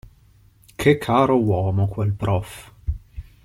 Che caro uomo, quel prof.